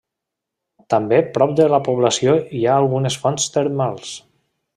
També prop de la població hi ha algunes fonts termals.